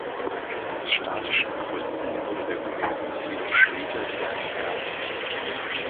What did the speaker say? Aus statischen Gründen wurde der Globus jedoch später wieder entfernt.